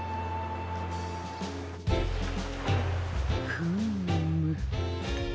フーム。